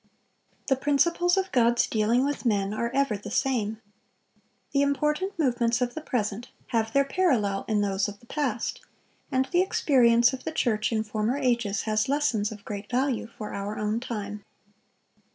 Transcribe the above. The principles of God's dealing with men are ever the same. The important movements of the present have their parallel in those of the past, and the experience of the church in former ages has lessons of great value for our own time.